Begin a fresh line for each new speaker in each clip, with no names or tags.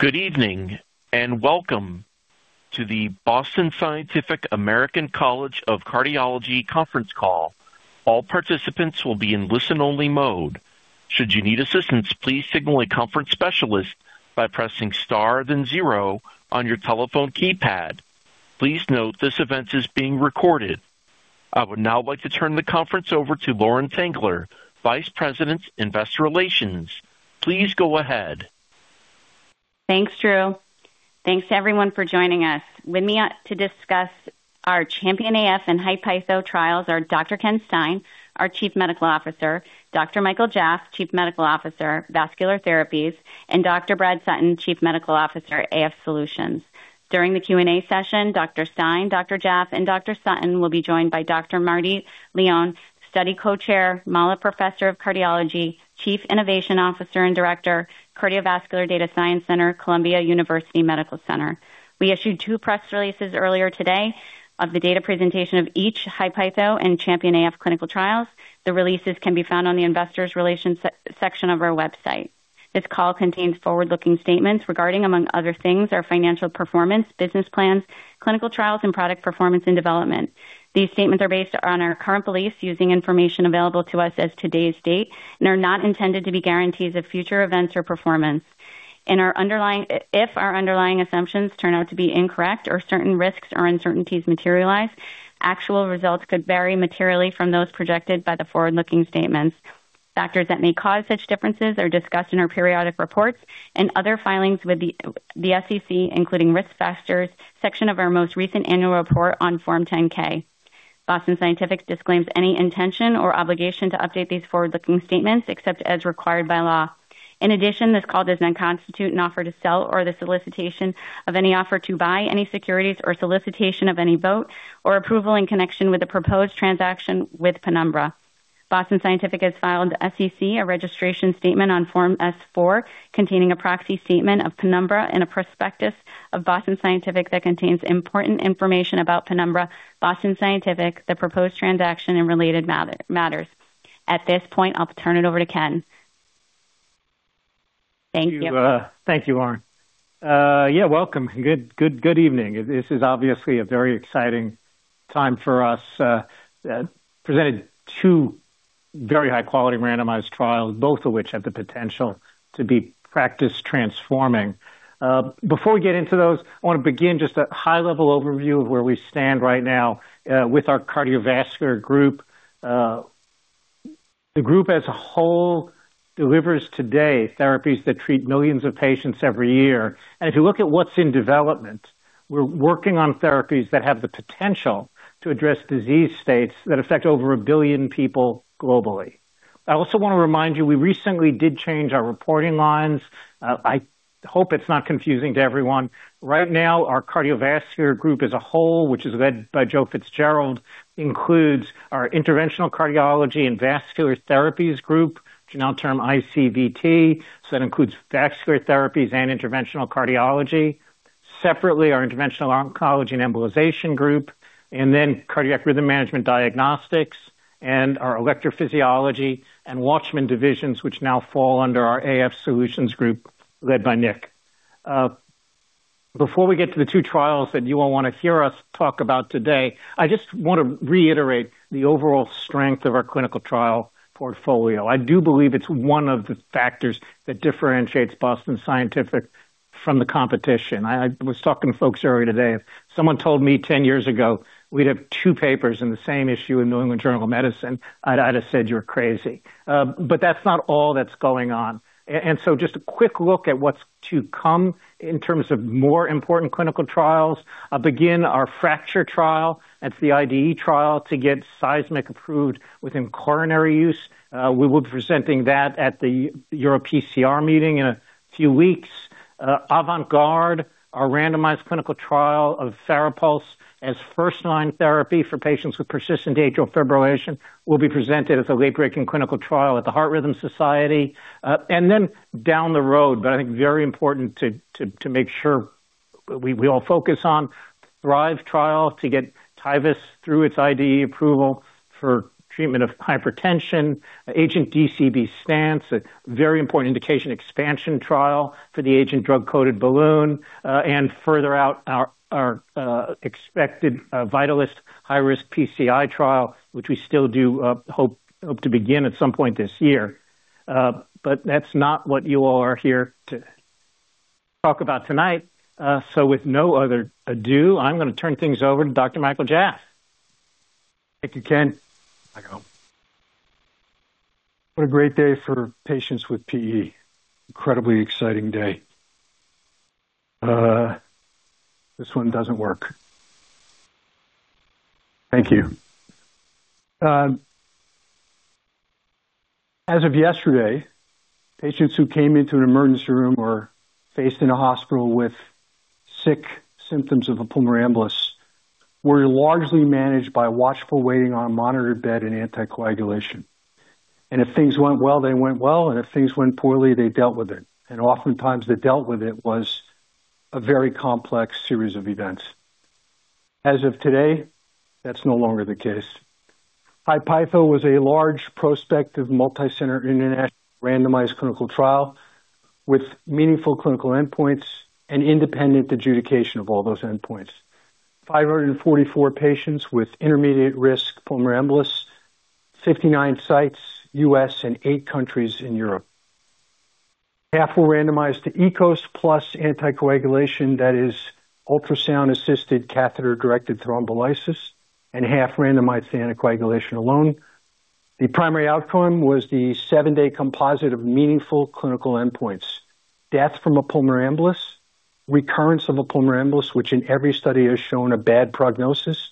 Good evening, and welcome to the Boston Scientific American College of Cardiology conference call. All participants will be in listen-only mode. Should you need assistance, please signal a conference specialist by pressing star then zero on your telephone keypad. Please note this event is being recorded. I would now like to turn the conference over to Lauren Tengler, Vice President, Investor Relations. Please go ahead.
Thanks, Drew. Thanks everyone for joining us. With me to discuss our CHAMPION-AF and HI-PEITHO trials are Dr. Ken Stein, our Chief Medical Officer, Dr. Michael Jaff, Chief Medical Officer, Vascular Therapies, and Dr. Brad Sutton, Chief Medical Officer, AF Solutions. During the Q&A session, Dr. Stein, Dr. Jaff, and Dr. Sutton will be joined by Dr. Marty Leon, Study Co-Chair, Mallah Family Professor of Cardiology, Chief Innovation Officer and Director, Cardiovascular Data Science Center, Columbia University Medical Center. We issued two press releases earlier today of the data presentation of each HI-PEITHO and CHAMPION-AF clinical trials. The releases can be found on the Investor Relations section of our website. This call contains forward-looking statements regarding, among other things, our financial performance, business plans, clinical trials and product performance and development. These statements are based on our current beliefs using information available to us as today's date and are not intended to be guarantees of future events or performance. If our underlying assumptions turn out to be incorrect or certain risks or uncertainties materialize, actual results could vary materially from those projected by the forward-looking statements. Factors that may cause such differences are discussed in our periodic reports and other filings with the SEC, including Risk Factors section of our most recent annual report on Form 10-K. Boston Scientific disclaims any intention or obligation to update these forward-looking statements except as required by law. In addition, this call does not constitute an offer to sell or the solicitation of any offer to buy any securities or solicitation of any vote or approval in connection with the proposed transaction with Penumbra. Boston Scientific has filed with SEC a registration statement on Form S-4, containing a proxy statement of Penumbra and a prospectus of Boston Scientific that contains important information about Penumbra, Boston Scientific, the proposed transaction and related matters. At this point, I'll turn it over to Ken. Thank you.
Thank you, Lauren. Yeah, welcome. Good evening. This is obviously a very exciting time for us. Presented two very high quality randomized trials, both of which have the potential to be practice transforming. Before we get into those, I want to begin just a high level overview of where we stand right now, with our cardiovascular group. The group as a whole delivers today therapies that treat millions of patients every year. If you look at what's in development, we're working on therapies that have the potential to address disease states that affect over a billion people globally. I also want to remind you, we recently did change our reporting lines. I hope it's not confusing to everyone. Right now, our cardiovascular group as a whole, which is led by Joe Fitzgerald, includes our Interventional Cardiology and Vascular Therapies group, which we now term ICVT. That includes vascular therapies and interventional cardiology. Separately, our Interventional Oncology and Embolization group, and then Cardiac Rhythm Management Diagnostics and our Electrophysiology and WATCHMAN divisions, which now fall under our AF Solutions group led by Nick. Before we get to the two trials that you all want to hear us talk about today, I just want to reiterate the overall strength of our clinical trial portfolio. I do believe it's one of the factors that differentiates Boston Scientific from the competition. I was talking to folks earlier today. If someone told me 10 years ago we'd have two papers in the same issue of New England Journal of Medicine, I'd have said you're crazy. That's not all that's going on. Just a quick look at what's to come in terms of more important clinical trials. We'll begin our FRACTURE trial. That's the IDE trial to get Seismic approved for coronary use. We will be presenting that at the EuroPCR meeting in a few weeks. AVANT GUARD, our randomized clinical trial of FARAPULSE as first-line therapy for patients with persistent atrial fibrillation, will be presented as a late-breaking clinical trial at the Heart Rhythm Society. Down the road, I think very important to make sure we all focus on the THRIVE trial to get Tivus through its IDE approval for treatment of hypertension. AGENT DCB STANCE, a very important indication expansion trial for the AGENT drug-coated balloon. Further out our expected VITALYST high-risk PCI trial, which we still do hope to begin at some point this year. That's not what you all are here to talk about tonight. With no other ado, I'm gonna turn things over to Dr. Michael Jaff.
Thank you, Ken. What a great day for patients with PE. Incredibly exciting day. As of yesterday, patients who came into an emergency room or presented in a hospital with such symptoms of a pulmonary embolus were largely managed by watchful waiting on a monitored bed and anticoagulation. If things went well, they went well. If things went poorly, they dealt with it. Oftentimes, the way they dealt with it was a very complex series of events. As of today, that's no longer the case. HI-PEITHO was a large prospective multicenter international randomized clinical trial with meaningful clinical endpoints and independent adjudication of all those endpoints. 544 patients with intermediate risk pulmonary embolus, 59 sites, U.S., and eight countries in Europe. Half were randomized to EkoSonic plus anticoagulation, that is ultrasound-assisted catheter-directed thrombolysis, and half randomized to anticoagulation alone. The primary outcome was the seven-day composite of meaningful clinical endpoints, death from a pulmonary embolus, recurrence of a pulmonary embolus, which in every study has shown a bad prognosis,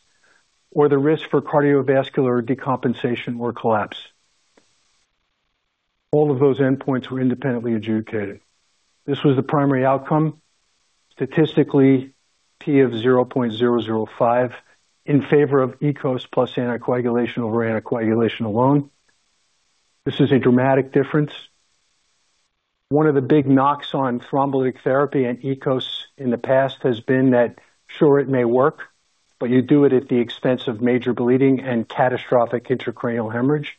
or the risk for cardiovascular decompensation or collapse. All of those endpoints were independently adjudicated. This was the primary outcome, statistically p of 0.005 in favor of EkoSonic plus anticoagulation over anticoagulation alone. This is a dramatic difference. One of the big knocks on thrombolytic therapy and EkoSonic in the past has been that, sure, it may work, but you do it at the expense of major bleeding and catastrophic intracranial hemorrhage.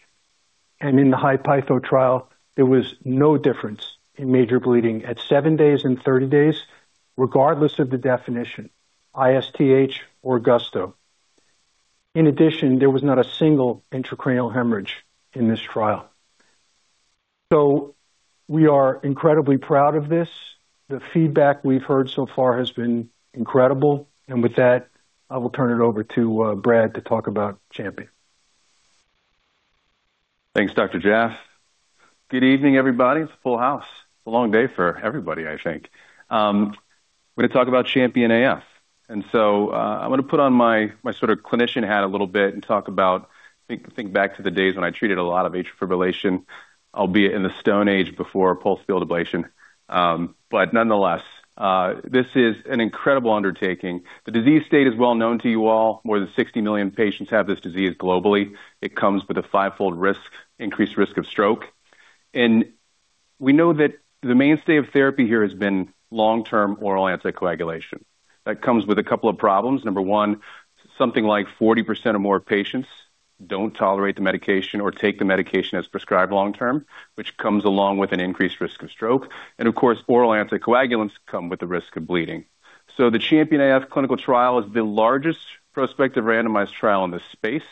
In the HI-PEITHO trial, there was no difference in major bleeding at seven days and 30 days, regardless of the definition, ISTH or GUSTO. In addition, there was not a single intracranial hemorrhage in this trial. We are incredibly proud of this. The feedback we've heard so far has been incredible. With that, I will turn it over to Brad to talk about CHAMPION-AF.
Thanks, Dr. Jaff. Good evening, everybody. It's a full house. It's a long day for everybody, I think. We're going to talk about CHAMPION-AF. I want to put on my sort of clinician hat a little bit and talk about, think back to the days when I treated a lot of atrial fibrillation, albeit in the Stone Age before pulsed field ablation. Nonetheless, this is an incredible undertaking. The disease state is well known to you all. More than 60 million patients have this disease globally. It comes with a five-fold increased risk of stroke. We know that the mainstay of therapy here has been long-term oral anticoagulation. That comes with a couple of problems. Number one, something like 40% or more of patients don't tolerate the medication or take the medication as prescribed long term, which comes along with an increased risk of stroke. Of course, oral anticoagulants come with the risk of bleeding. The CHAMPION-AF clinical trial is the largest prospective randomized trial in this space.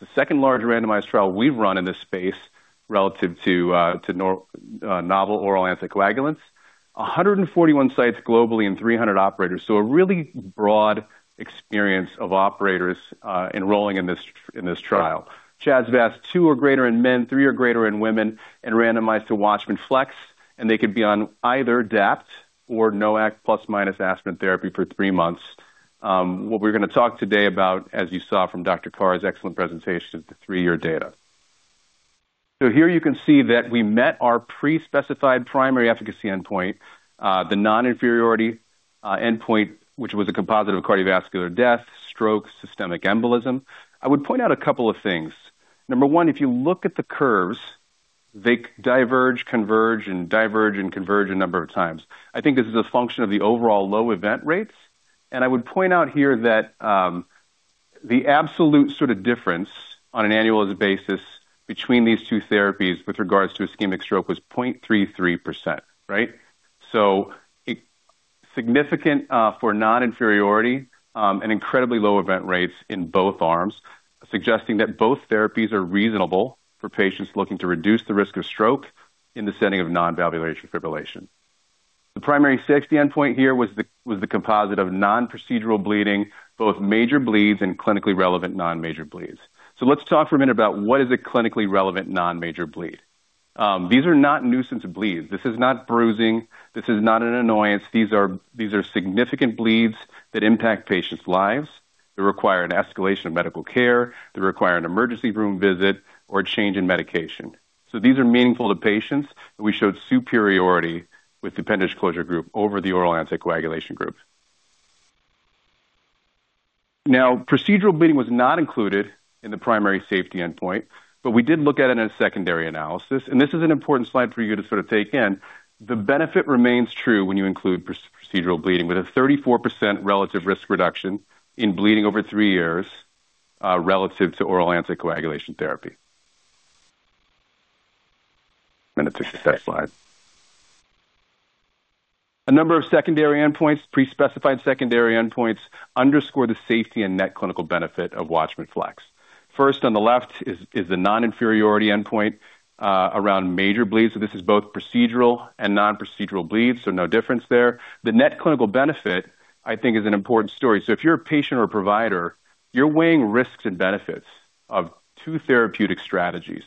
The second-largest randomized trial we've run in this space relative to novel oral anticoagulants. 141 sites globally and 300 operators. A really broad experience of operators enrolling in this trial. CHA2DS2-VASc two or greater in men, three or greater in women, and randomized to WATCHMAN FLX. They could be on either DAPT or NOAC plus minus aspirin therapy for three months. What we're going to talk today about, as you saw from Dr. Kar's excellent presentation, is the three-year data. Here you can see that we met our pre-specified primary efficacy endpoint, the non-inferiority endpoint, which was a composite of cardiovascular death, stroke, systemic embolism. I would point out a couple of things. Number one, if you look at the curves, they diverge, converge, and diverge, and converge a number of times. I think this is a function of the overall low event rates. I would point out here that the absolute sort of difference on an annualized basis between these two therapies with regards to ischemic stroke was 0.33%, right? Significant for non-inferiority and incredibly low event rates in both arms, suggesting that both therapies are reasonable for patients looking to reduce the risk of stroke in the setting of non-valvular fibrillation. The primary safety endpoint here was the composite of non-procedural bleeding, both major bleeds and clinically relevant non-major bleeds. Let's talk for a minute about what is a clinically relevant non-major bleed. These are not nuisance bleeds. This is not bruising. This is not an annoyance. These are significant bleeds that impact patients' lives. They require an escalation of medical care. They require an emergency room visit or a change in medication. These are meaningful to patients, and we showed superiority with the appendage closure group over the oral anticoagulation group. Now, procedural bleeding was not included in the primary safety endpoint, but we did look at it in a secondary analysis, and this is an important slide for you to sort of take in. The benefit remains true when you include procedural bleeding, with a 34% relative risk reduction in bleeding over three years, relative to oral anticoagulation therapy. It's a success slide. A number of secondary endpoints, pre-specified secondary endpoints underscore the safety and net clinical benefit of WATCHMAN FLX. First on the left is the non-inferiority endpoint around major bleeds. This is both procedural and non-procedural bleeds, so no difference there. The net clinical benefit, I think, is an important story. If you're a patient or provider, you're weighing risks and benefits of two therapeutic strategies.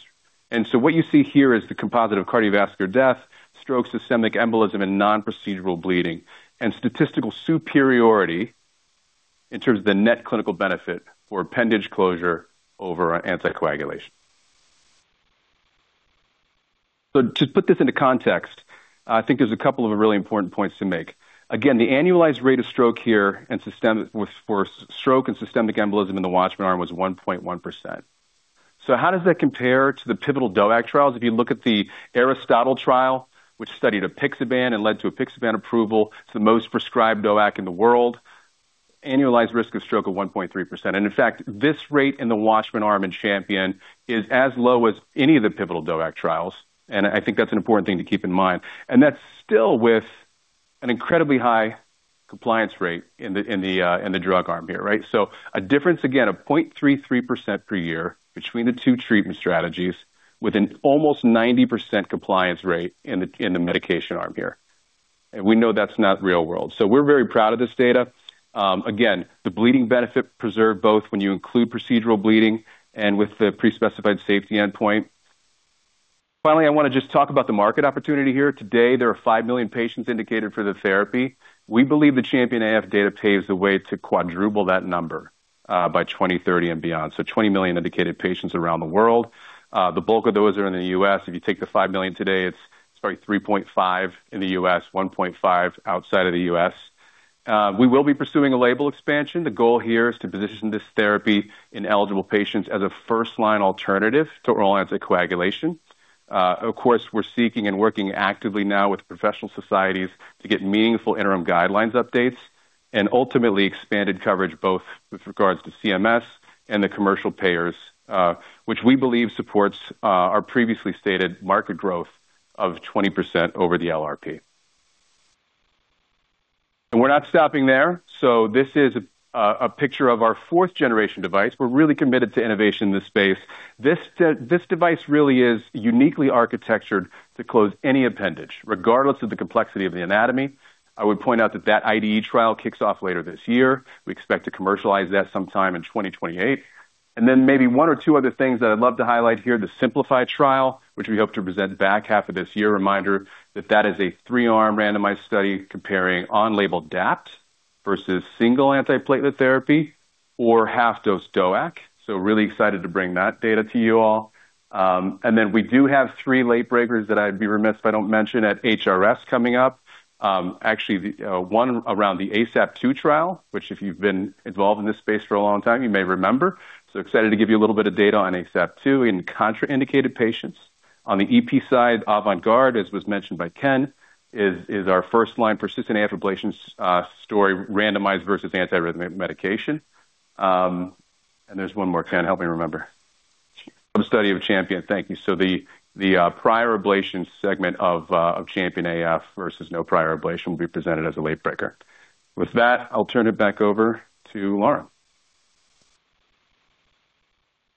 What you see here is the composite of cardiovascular death, stroke, systemic embolism, and non-procedural bleeding, and statistical superiority in terms of the net clinical benefit for appendage closure over anticoagulation. To put this into context, I think there's a couple of really important points to make. Again, the annualized rate of stroke and systemic embolism in the WATCHMAN arm was 1.1%. How does that compare to the pivotal DOAC trials? If you look at the ARISTOTLE trial, which studied apixaban and led to apixaban approval, it's the most prescribed DOAC in the world. Annualized risk of stroke of 1.3%. In fact, this rate in the WATCHMAN arm in CHAMPION is as low as any of the pivotal DOAC trials. I think that's an important thing to keep in mind. That's still with an incredibly high compliance rate in the drug arm here, right? A difference, again, of 0.33% per year between the two treatment strategies with an almost 90% compliance rate in the medication arm here. We know that's not real-world. We're very proud of this data. Again, the bleeding benefit preserved both when you include procedural bleeding and with the pre-specified safety endpoint. Finally, I want to just talk about the market opportunity here. Today, there are 5 million patients indicated for the therapy. We believe the CHAMPION-AF data paves the way to quadruple that number by 2030 and beyond. Twenty million indicated patients around the world. The bulk of those are in the U.S. If you take the 5 million today, it's three point five in the U.S., one point five outside of the U.S. We will be pursuing a label expansion. The goal here is to position this therapy in eligible patients as a first-line alternative to oral anticoagulation. Of course, we're seeking and working actively now with professional societies to get meaningful interim guidelines updates and ultimately expanded coverage both with regards to CMS and the commercial payers, which we believe supports our previously stated market growth of 20% over the LRP. We're not stopping there. This is a picture of our fourth generation device. We're really committed to innovation in this space. This device really is uniquely architectured to close any appendage, regardless of the complexity of the anatomy. I would point out that IDE trial kicks off later this year. We expect to commercialize that sometime in 2028. Then maybe one or two other things that I'd love to highlight here, the SIMPLAAFY trial, which we hope to present back half of this year. Reminder that that is a three-arm randomized study comparing on-label DAPT versus single antiplatelet therapy or half-dose DOAC. Really excited to bring that data to you all. We do have three late breakers that I'd be remiss if I don't mention at HRS coming up. Actually the one around the ASAP-TOO trial, which if you've been involved in this space for a long time, you may remember. Excited to give you a little bit of data on ASAP-TOO in contraindicated patients. On the EP side, AVANT GUARD, as was mentioned by Ken, is our first-line persistent AF ablation story randomized versus antiarrhythmic medication. There's one more. Ken, help me remember. The study of CHAMPION-AF. Thank you. The prior ablation segment of CHAMPION-AF versus no prior ablation will be presented as a late breaker. With that, I'll turn it back over to Lauren.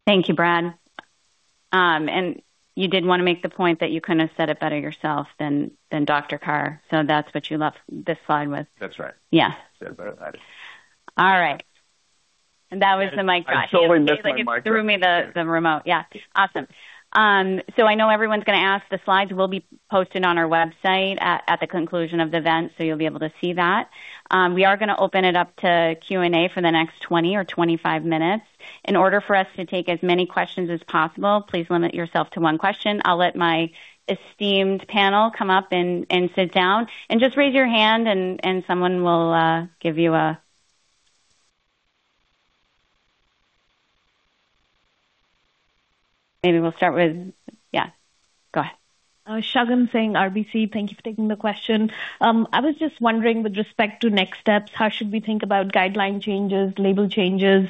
Thank you, Brad. You did want to make the point that you couldn't have said it better yourself than Dr. Kar. That's what you left this slide with.
That's right.
Yeah.
Said it better than I did.
All right. That was the mic drop.
I totally missed my mic drop too.
He's like, it threw me the remote. Yeah. Awesome. So I know everyone's gonna ask, the slides will be posted on our website at the conclusion of the event, so you'll be able to see that. We are gonna open it up to Q&A for the next 20 or 25 minutes. In order for us to take as many questions as possible, please limit yourself to one question. I'll let my esteemed panel come up and sit down, and just raise your hand and someone will give you a. Maybe we'll start with. Yeah, go ahead.
Shagun Singh, RBC. Thank you for taking the question. I was just wondering with respect to next steps, how should we think about guideline changes, label changes,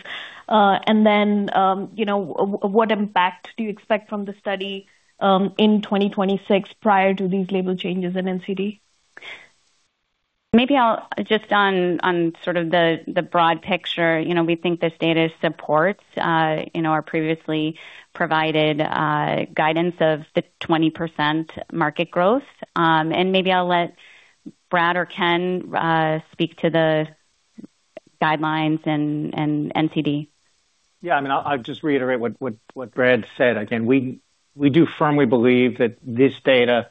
and then, you know, what impact do you expect from the study in 2026 prior to these label changes in NCD?
Maybe I'll just on sort of the broad picture. You know, we think this data supports, you know, our previously provided guidance of the 20% market growth. Maybe I'll let Brad or Ken speak to the guidelines and NCD.
I mean, I'll just reiterate what Brad said. Again, we do firmly believe that this data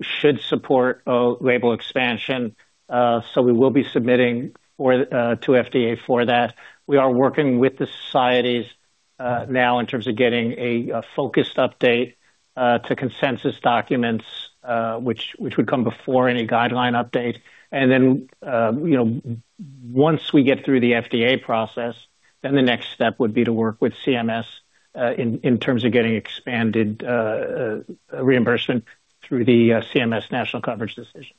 should support a label expansion. We will be submitting to FDA for that. We are working with the societies now in terms of getting a focused update to consensus documents, which would come before any guideline update. You know, once we get through the FDA process, the next step would be to work with CMS in terms of getting expanded reimbursement through the CMS national coverage decision.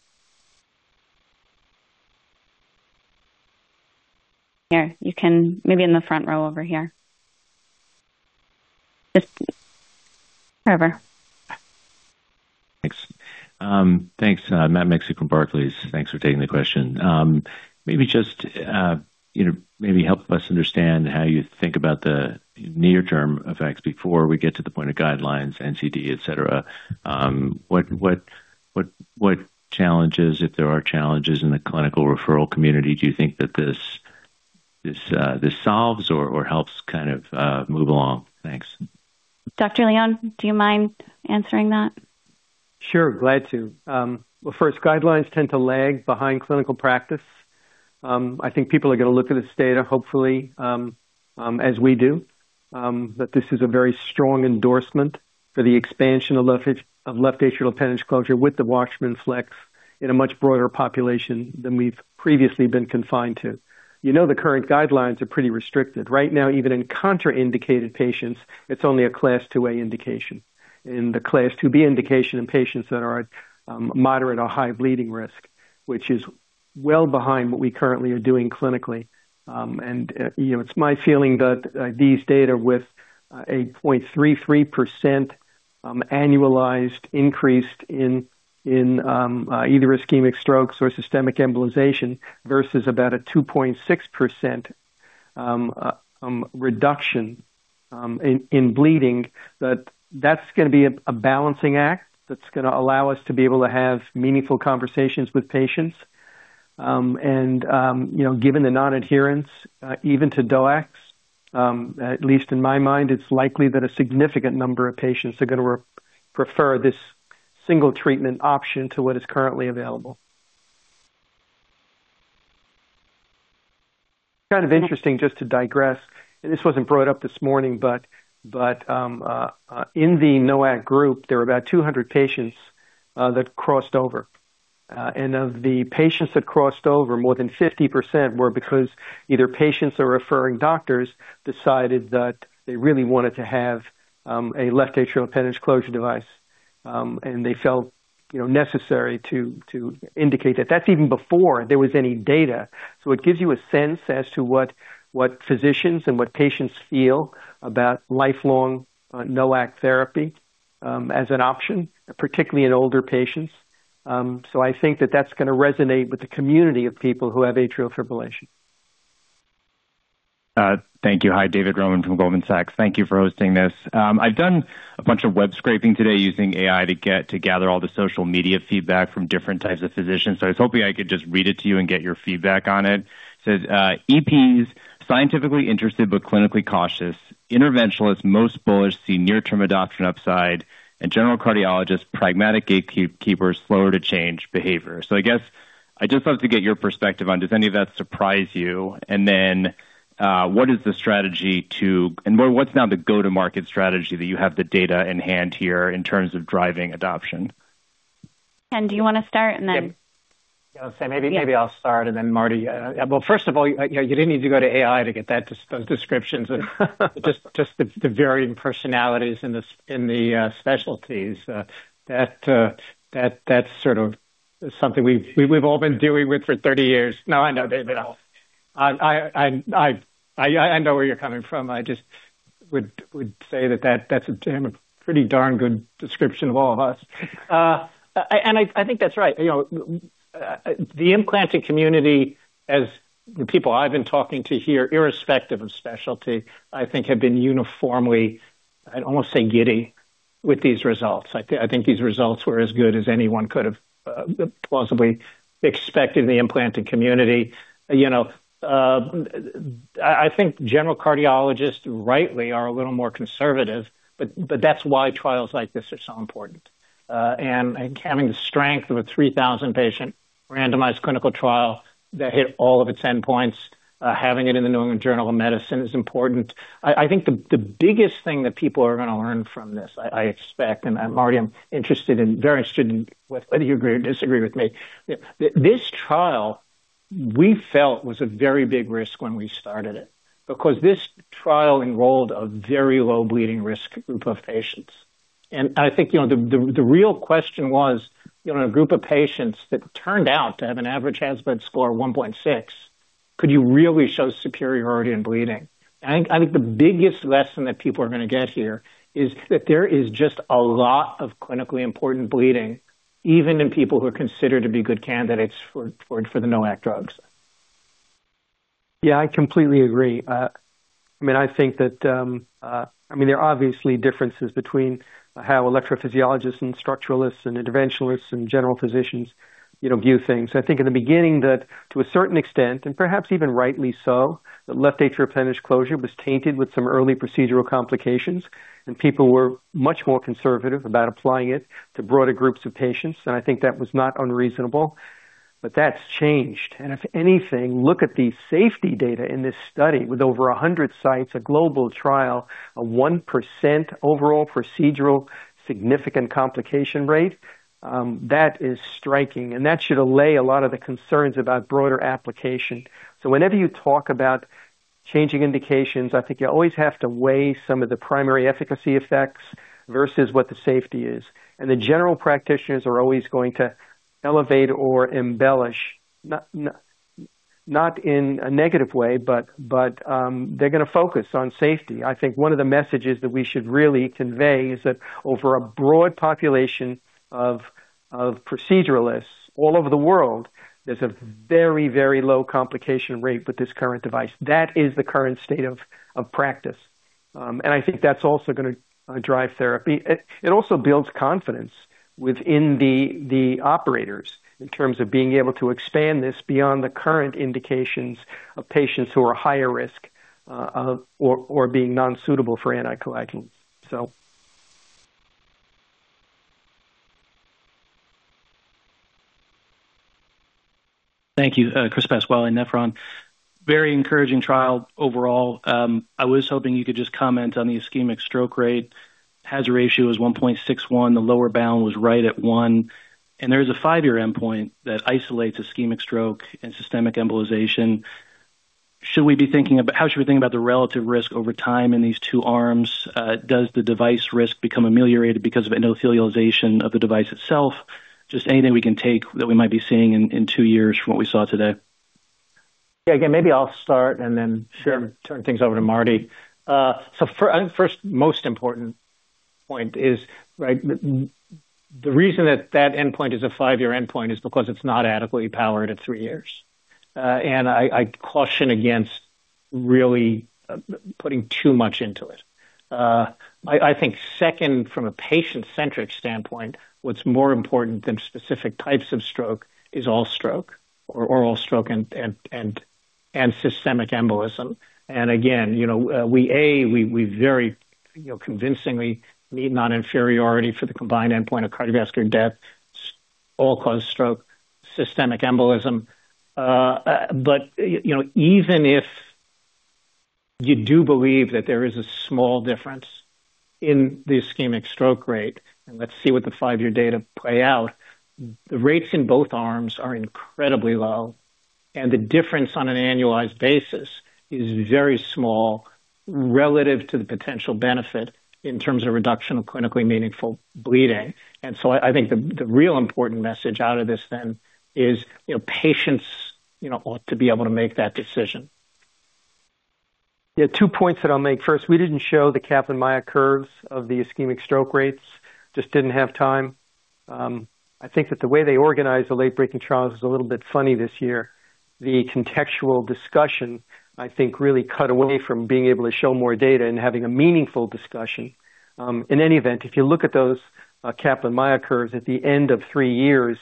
Here. You can. Maybe in the front row over here. Just wherever.
Thanks. Thanks. Matt Miksic, Barclays. Thanks for taking the question. Maybe just, you know, maybe help us understand how you think about the near term effects before we get to the point of guidelines, NCD, et cetera. What challenges, if there are challenges in the clinical referral community, do you think that this solves or helps kind of move along? Thanks.
Dr. Leon, do you mind answering that?
Sure. Glad to. Well, first, guidelines tend to lag behind clinical practice. I think people are gonna look at this data, hopefully, as we do, that this is a very strong endorsement for the expansion of left atrial appendage closure with the WATCHMAN FLX. In a much broader population than we've previously been confined to. You know, the current guidelines are pretty restricted. Right now, even in contraindicated patients, it's only a Class 2A indication. In the Class 2B indication in patients that are at moderate or high bleeding risk, which is well behind what we currently are doing clinically. You know, it's my feeling that these data with a 0.33% annualized increase in either ischemic strokes or systemic embolization versus about a 2.6% reduction in bleeding, that's gonna be a balancing act that's gonna allow us to be able to have meaningful conversations with patients. You know, given the non-adherence even to DOACs, at least in my mind, it's likely that a significant number of patients are gonna prefer this single treatment option to what is currently available. Kind of interesting just to digress, this wasn't brought up this morning, but in the NOAC group, there were about 200 patients that crossed over. Of the patients that crossed over, more than 50% were because either patients or referring doctors decided that they really wanted to have a left atrial appendage closure device, and they felt, you know, necessary to indicate that. That's even before there was any data. It gives you a sense as to what physicians and patients feel about lifelong NOAC therapy as an option, particularly in older patients. I think that that's gonna resonate with the community of people who have atrial fibrillation.
Thank you. Hi, David Roman from Goldman Sachs. Thank you for hosting this. I've done a bunch of web scraping today using AI to gather all the social media feedback from different types of physicians. I was hoping I could just read it to you and get your feedback on it. It says, "EPs scientifically interested but clinically cautious. Interventionalists most bullish see near term adoption upside and general cardiologists pragmatic gatekeepers slower to change behavior." I guess I'd just love to get your perspective on does any of that surprise you? What is the strategy. More what's now the go-to-market strategy that you have the data in hand here in terms of driving adoption?
Ken, do you want to start and then?
Yeah. So maybe I'll start and then Marty. Well, first of all, you know, you didn't need to go to AI to get those descriptions just the varying personalities in the specialties. That's sort of something we've all been dealing with for 30 years. No, I know, David. I know where you're coming from. I just would say that that's a damn pretty darn good description of all of us. And I think that's right. You know, the implanted community, as the people I've been talking to here, irrespective of specialty, I think have been uniformly. I'd almost say giddy with these results. I think these results were as good as anyone could have plausibly expected in the implanted community. You know, I think general cardiologists rightly are a little more conservative, but that's why trials like this are so important. Having the strength of a 3,000 patient randomized clinical trial that hit all of its endpoints, having it in the New England Journal of Medicine is important. I think the biggest thing that people are gonna learn from this, I expect, and Marty, I'm very interested in whether you agree or disagree with me. This trial, we felt was a very big risk when we started it because this trial enrolled a very low bleeding risk group of patients. I think, you know, the real question was, you know, in a group of patients that turned out to have an average HAS-BLED score of 1.6, could you really show superiority in bleeding? I think the biggest lesson that people are gonna get here is that there is just a lot of clinically important bleeding, even in people who are considered to be good candidates for the NOAC drugs.
Yeah, I completely agree. I mean, I think that, I mean, there are obviously differences between how electrophysiologists and structuralists and interventionalists and general physicians, you know, view things. I think in the beginning that to a certain extent, and perhaps even rightly so, that left atrial appendage closure was tainted with some early procedural complications, and people were much more conservative about applying it to broader groups of patients. I think that was not unreasonable, but that's changed. If anything, look at the safety data in this study with over 100 sites, a global trial, a 1% overall procedural significant complication rate. That is striking, and that should allay a lot of the concerns about broader application. Whenever you talk about changing indications, I think you always have to weigh some of the primary efficacy effects versus what the safety is. The general practitioners are always going to elevate or embellish, not in a negative way, but they're gonna focus on safety. I think one of the messages that we should really convey is that over a broad population of proceduralists all over the world, there's a very, very low complication rate with this current device. That is the current state of practice. I think that's also gonna drive therapy. It also builds confidence within the operators in terms of being able to expand this beyond the current indications of patients who are higher risk, or being non-suitable for anticoagulants.
Thank you. Chris Pasquale, Nephron. Very encouraging trial overall. I was hoping you could just comment on the ischemic stroke rate. Hazard ratio was 1.61. The lower bound was right at 1, and there's a five-year endpoint that isolates ischemic stroke and systemic embolization. How should we think about the relative risk over time in these two arms? Does the device risk become ameliorated because of endothelialization of the device itself? Just anything we can take that we might be seeing in two years from what we saw today.
Yeah, again, maybe I'll start and then.
Sure.
Turn things over to Marty. First, most important point is, right, the reason that that endpoint is a 5-year endpoint is because it's not adequately powered at 3 years. I caution against really putting too much into it. I think second, from a patient-centric standpoint, what's more important than specific types of stroke is all stroke or all stroke and systemic embolism. Again, you know, we very convincingly meet non-inferiority for the combined endpoint of cardiovascular death, all-cause stroke, systemic embolism. You know, even if you do believe that there is a small difference in the ischemic stroke rate, and let's see what the five-year data play out, the rates in both arms are incredibly low, and the difference on an annualized basis is very small relative to the potential benefit in terms of reduction of clinically meaningful bleeding. I think the real important message out of this then is, you know, patients ought to be able to make that decision. Yeah, two points that I'll make. First, we didn't show the Kaplan-Meier curves of the ischemic stroke rates. Just didn't have time. I think that the way they organized the late-breaking trials was a little bit funny this year. The contextual discussion, I think, really cut away from being able to show more data and having a meaningful discussion. In any event, if you look at those Kaplan-Meier curves at the end of three years,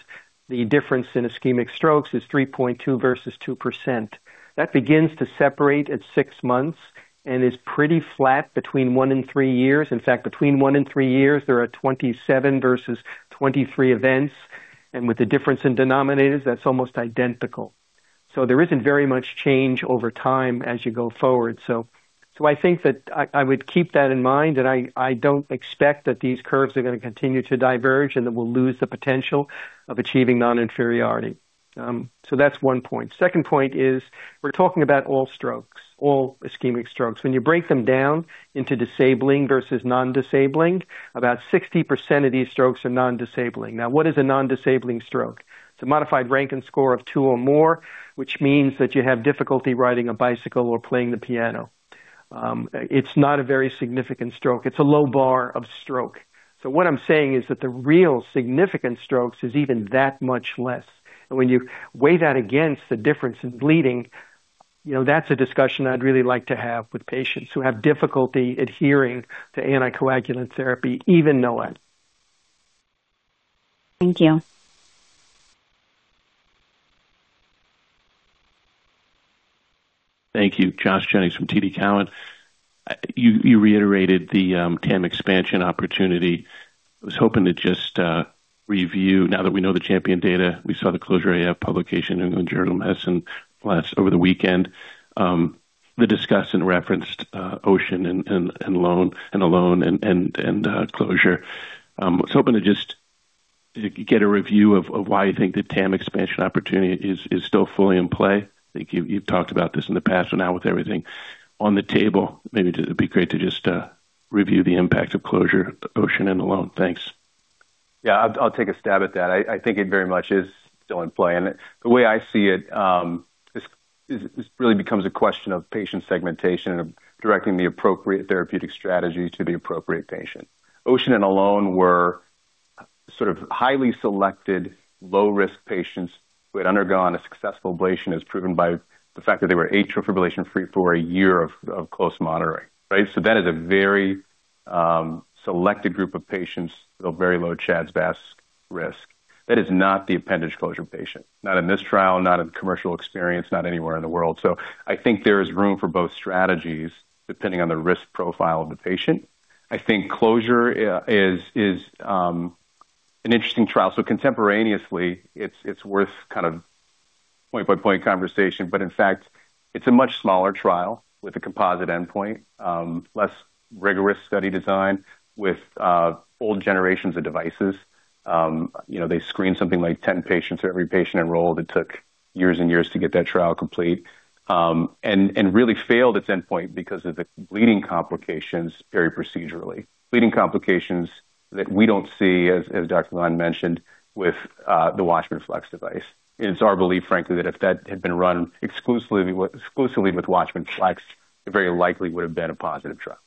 the difference in ischemic strokes is 3.2% versus 2%. That begins to separate at six months and is pretty flat between 1 and 3 years. In fact, between 1 and 3 years, there are 27 versus 23 events, and with the difference in denominators, that's almost identical. There isn't very much change over time as you go forward. I think that I would keep that in mind, and I don't expect that these curves are gonna continue to diverge and then we'll lose the potential of achieving non-inferiority. That's one point. Second point is we're talking about all strokes, all ischemic strokes. When you break them down into disabling versus non-disabling, about 60% of these strokes are non-disabling. Now, what is a non-disabling stroke? It's a modified Rankin score of two or more, which means that you have difficulty riding a bicycle or playing the piano. It's not a very significant stroke. It's a low bar of stroke. What I'm saying is that the real significant strokes is even that much less. When you weigh that against the difference in bleeding, you know, that's a discussion I'd really like to have with patients who have difficulty adhering to anticoagulant therapy, even NOAC.
Thank you.
Thank you. Josh Jennings from TD Cowen. You reiterated the TAM expansion opportunity. I was hoping to just review now that we know the CHAMPION data. We saw the CLOSURE-AF publication in the New England Journal of Medicine last weekend. The discussion referenced OCEAN-LAAC, ALINE, and CLOSURE-AF. I was hoping to just get a review of why you think the TAM expansion opportunity is still fully in play. I think you've talked about this in the past, but now with everything on the table, maybe it'd be great to just review the impact of CLOSURE-AF, OCEAN-LAAC and ALINE. Thanks.
Yeah, I'll take a stab at that. I think it very much is still in play. The way I see it is it really becomes a question of patient segmentation and directing the appropriate therapeutic strategy to the appropriate patient. OCEAN-LAAC and ALINE were sort of highly selected, low-risk patients who had undergone a successful ablation, as proven by the fact that they were atrial fibrillation-free for a year of close monitoring, right? That is a very selected group of patients with very low CHA2DS2-VASc risk. That is not the appendage closure patient, not in this trial, not in commercial experience, not anywhere in the world. I think there is room for both strategies depending on the risk profile of the patient. I think CLOSURE-AF is an interesting trial. Contemporaneously it's worth kind of point by point conversation, but in fact it's a much smaller trial with a composite endpoint, less rigorous study design with old generations of devices. You know, they screened something like 10 patients for every patient enrolled. It took years and years to get that trial complete. Really failed its endpoint because of the bleeding complications, very procedurally. Bleeding complications that we don't see, as Dr. Leon mentioned, with the WATCHMAN FLX device. It's our belief, frankly, that if that had been run exclusively with WATCHMAN FLX, it very likely would've been a positive trial.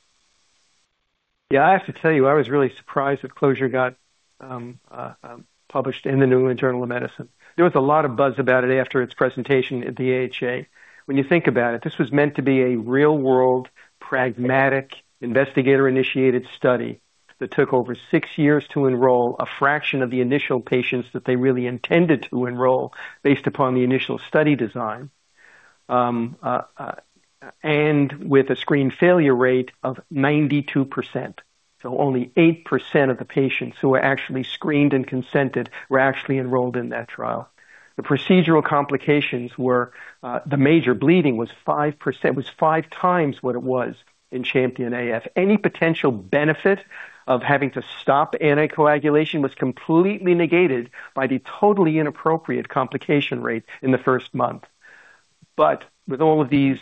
Yeah, I have to tell you, I was really surprised that CLOSURE-AF got published in The New England Journal of Medicine. There was a lot of buzz about it after its presentation at the AHA. When you think about it, this was meant to be a real-world, pragmatic, investigator-initiated study that took over six years to enroll a fraction of the initial patients that they really intended to enroll based upon the initial study design and with a screen failure rate of 92%. Only 8% of the patients who were actually screened and consented were actually enrolled in that trial. The procedural complications were, the major bleeding was 5%, five times what it was in CHAMPION AF. Any potential benefit of having to stop anticoagulation was completely negated by the totally inappropriate complication rate in the first month. With all of these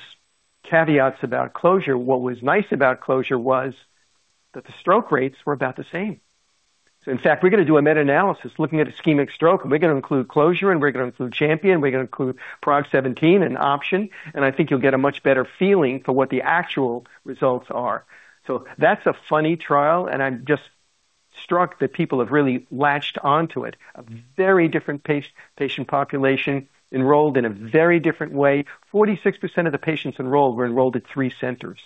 caveats about CLOSURE-AF, what was nice about CLOSURE-AF was that the stroke rates were about the same. In fact, we're going to do a meta-analysis looking at ischemic stroke, and we're going to include CLOSURE-AF, and we're going to include CHAMPION, we're going to include PRAGUE-17 and OPTION, and I think you'll get a much better feeling for what the actual results are. That's a funny trial, and I'm just struck that people have really latched on to it. A very different patient population enrolled in a very different way. 46% of the patients enrolled were enrolled at three centers.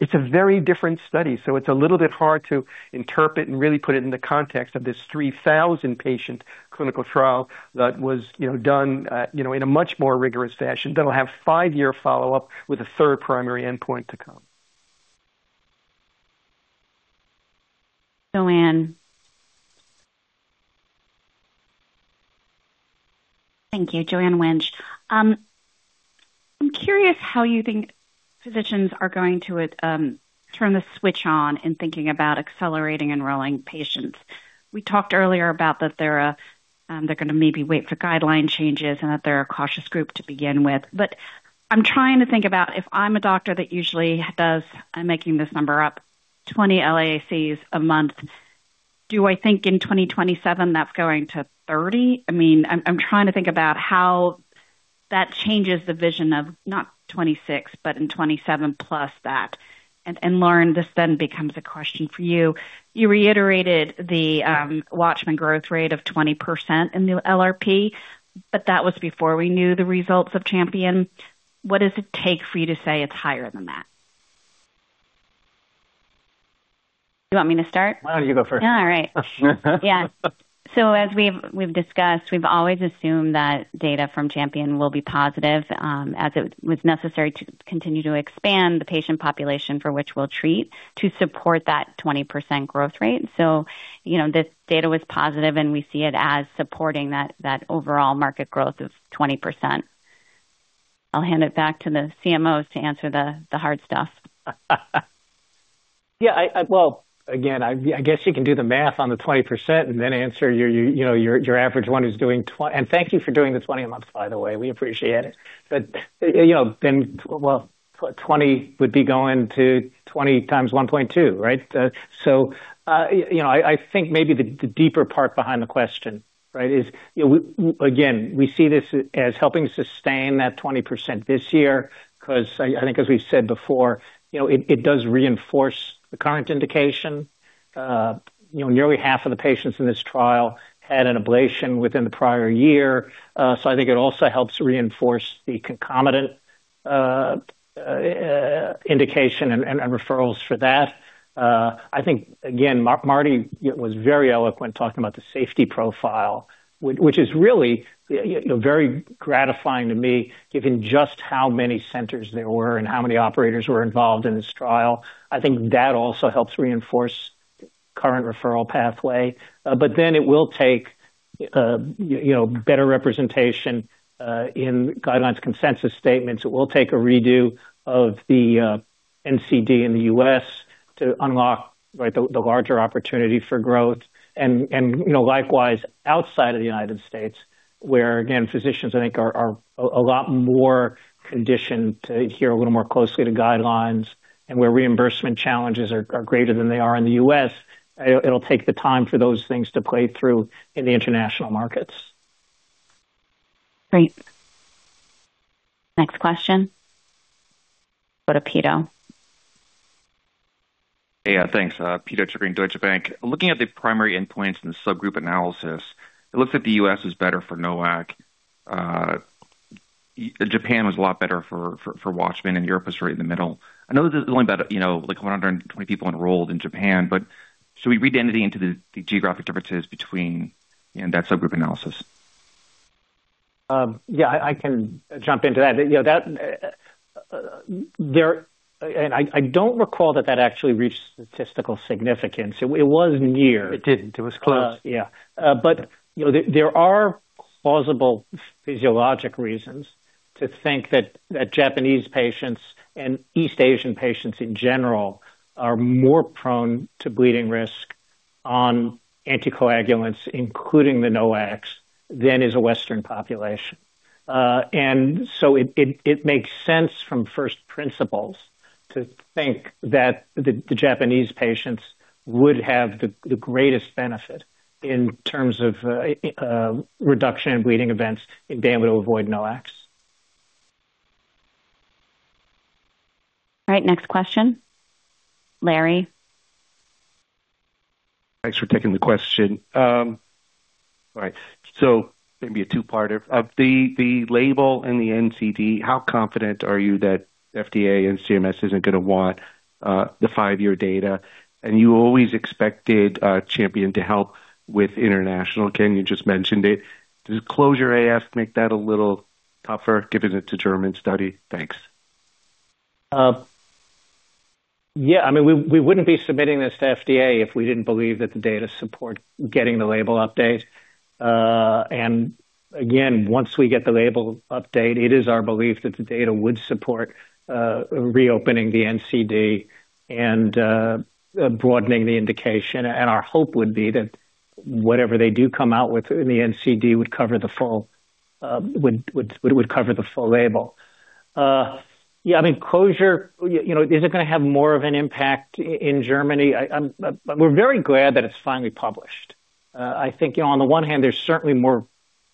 It's a very different study, so it's a little bit hard to interpret and really put it in the context of this 3,000 patient clinical trial that was, you know, done, you know, in a much more rigorous fashion that'll have five-year follow-up with a third primary endpoint to come.
Joanne.
Thank you. Joanne Wuensch. I'm curious how you think physicians are going to turn the switch on in thinking about accelerating enrolling patients. We talked earlier about that they're going to maybe wait for guideline changes and that they're a cautious group to begin with. I'm trying to think about if I'm a doctor that usually does, I'm making this number up, 20 LAACs a month, do I think in 2027 that's going to 30? I mean, I'm trying to think about how that changes the vision of not 2026 but in 2027 plus that. Lauren, this then becomes a question for you. You reiterated the Watchman growth rate of 20% in new LRP, but that was before we knew the results of CHAMPION. What does it take for you to say it's higher than that?
You want me to start?
Why don't you go first?
All right. Yeah. As we've discussed, we've always assumed that data from CHAMPION will be positive, as it was necessary to continue to expand the patient population for which we'll treat to support that 20% growth rate. You know, this data was positive, and we see it as supporting that overall market growth of 20%. I'll hand it back to the CMOs to answer the hard stuff.
Well, again, I guess you can do the math on the 20% and then answer, you know, your average one who's doing 20. Thank you for doing the 20 a month, by the way. We appreciate it. 20 would be going to 20 times 1.2, right? I think maybe the deeper part behind the question is, you know, we again see this as helping sustain that 20% this year because I think as we said before, you know, it does reinforce the current indication. Nearly half of the patients in this trial had an ablation within the prior year. I think it also helps reinforce the concomitant indication and referrals for that. I think again, Marty, you know, was very eloquent talking about the safety profile, which is really, you know, very gratifying to me, given just how many centers there were and how many operators were involved in this trial. I think that also helps reinforce current referral pathway. It will take, you know, better representation in guidelines consensus statements. It will take a redo of the NCD in the U.S. to unlock, right, the larger opportunity for growth and, you know, likewise outside of the United States, where again, physicians I think are a lot more conditioned to hear a little more closely to guidelines and where reimbursement challenges are greater than they are in the U.S. It'll take the time for those things to play through in the international markets.
Great. Next question. Go to Peter.
Yeah, thanks. Peter from Deutsche Bank.
Yeah, I can jump into that. You know, I don't recall that actually reached statistical significance. It was near.
It didn't. It was close.
You know, there are plausible physiologic reasons to think that Japanese patients and East Asian patients in general are more prone to bleeding risk on anticoagulants, including the NOACs, than is a western population. It makes sense from first principles to think that the Japanese patients would have the greatest benefit in terms of reduction in bleeding events and be able to avoid NOACs.
All right, next question. Larry.
Thanks for taking the question. All right. Maybe a two-parter. Of the label and the NCD, how confident are you that FDA and CMS isn't going to want the five-year data? You always expected CHAMPION-AF to help with international. Ken, you just mentioned it. Does CLOSURE-AF make that a little tougher given it's a German study? Thanks.
Yeah, I mean, we wouldn't be submitting this to FDA if we didn't believe that the data support getting the label update. Again, once we get the label update, it is our belief that the data would support reopening the NCD and broadening the indication. Our hope would be that whatever they do come out with in the NCD would cover the full label. Yeah, I mean, CLOSURE, you know, is it gonna have more of an impact in Germany? We're very glad that it's finally published. I think, you know, on the one hand, there's certainly more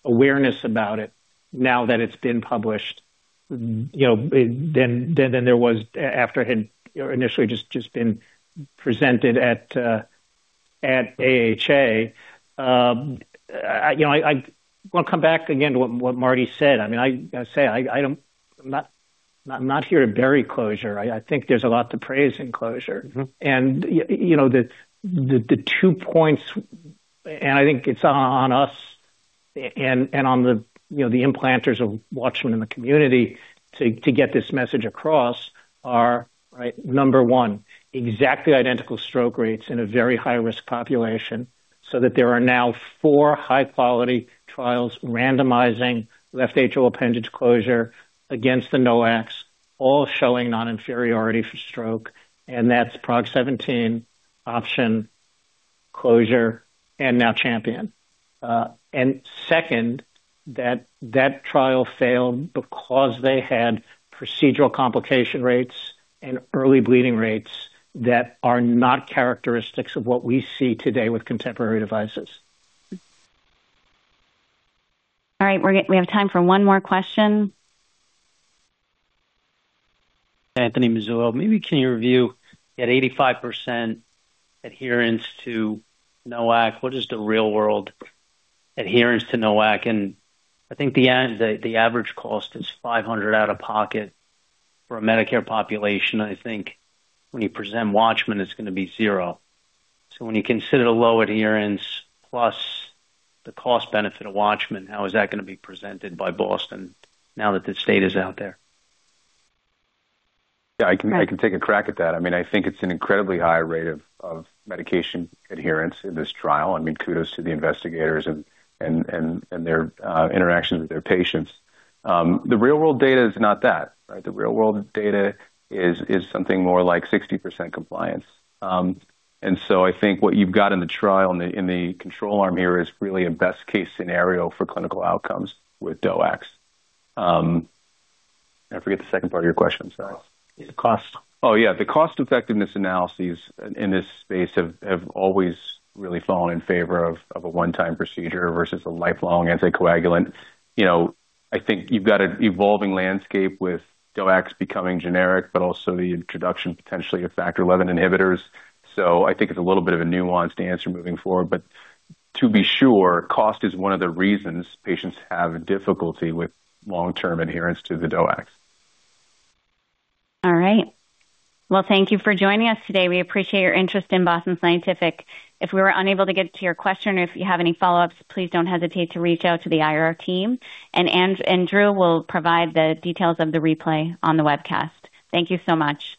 awareness about it now that it's been published, you know, than there was after it had initially just been presented at AHA. You know, I wanna come back again to what Marty said. I mean, I'm not here to bury CLOSURE-AF. I think there's a lot to praise in CLOSURE-AF. You know, the two points, and I think it's on us and on the, you know, the implanters of WATCHMAN in the community to get this message across are right. Number one, exactly identical stroke rates in a very high-risk population, so that there are now four high-quality trials randomizing left atrial appendage closure against the NOACs, all showing non-inferiority for stroke, and that's PRAGUE-17, OPTION, CLOSURE-AF, and now CHAMPION. Second, that trial failed because they had procedural complication rates and early bleeding rates that are not characteristics of what we see today with contemporary devices.
All right, we have time for one more question.
Maybe can you review, at 85% adherence to NOAC, what is the real-world adherence to NOAC? I think in the end, the average cost is $500 out of pocket for a Medicare population. I think when you present Watchman, it's gonna be zero. When you consider the low adherence plus the cost benefit of Watchman, how is that gonna be presented by Boston now that this data is out there?
Yeah, I can take a crack at that. I mean, I think it's an incredibly high rate of medication adherence in this trial. I mean, kudos to the investigators and their interaction with their patients. The real-world data is not that, right? The real-world data is something more like 60% compliance. I think what you've got in the trial, in the control arm here is really a best-case scenario for clinical outcomes with DOACs. I forget the second part of your question, sorry.
The cost.
Oh, yeah, the cost-effectiveness analyses in this space have always really fallen in favor of a one-time procedure versus a lifelong anticoagulant. You know, I think you've got an evolving landscape with DOACs becoming generic, but also the introduction potentially of Factor XI inhibitors. I think it's a little bit of a nuanced answer moving forward, but to be sure, cost is one of the reasons patients have difficulty with long-term adherence to the DOACs.
All right. Well, thank you for joining us today. We appreciate your interest in Boston Scientific. If we were unable to get to your question or if you have any follow-ups, please don't hesitate to reach out to the IR team, and Ann and Drew will provide the details of the replay on the webcast. Thank you so much.